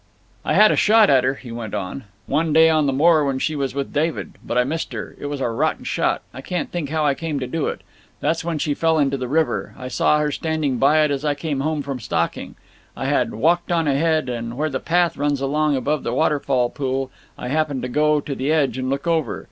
"I had a shot at her," he went on, "one day on the moor when she was with David; but I missed her. It was a rotten shot. I can't think how I came to do it. Then when she fell into the river I saw her standing by it as I came home from stalking.... I had walked on ahead, and where the path runs along above the waterfall pool I happened to go to the edge and look over.